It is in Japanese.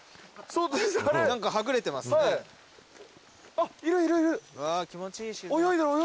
あっいるいるいる。